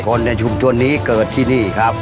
คนในชุมชนนี้เกิดที่นี่ครับ